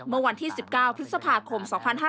เมื่อวันที่๑๙พฤษภาคม๒๕๕๙